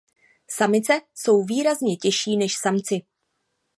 Samice jsou výrazně těžší než samci.